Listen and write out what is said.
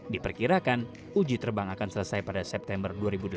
diperkirakan uji terbang akan selesai pada september dua ribu delapan belas